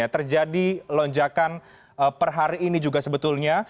terjadi lonjakan per hari ini juga sebetulnya